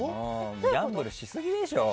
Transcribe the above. ギャンブルしすぎでしょ。